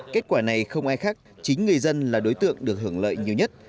kết quả này không ai khác chính người dân là đối tượng được hưởng lợi nhiều nhất